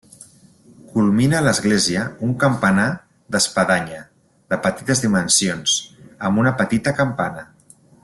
Culmina l'església un campanar d'espadanya, de petites dimensions, amb una petita campana.